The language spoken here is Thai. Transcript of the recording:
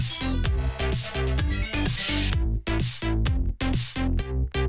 ไขว้ขาไขว้ขาไขว้ขา